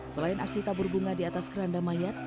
selain aksi tabur bunga di atas keranda mayat